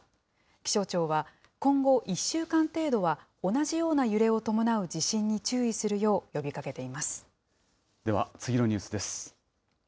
気象庁は、今後１週間程度は同じような揺れを伴う地震に注意するよう呼びかでは、次のニュースです。